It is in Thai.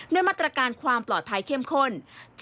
ด้วยมาตรการความปลอดภัยเข้มข้น